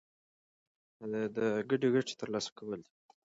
د چین موخه د ګډې ګټې ترلاسه کول دي.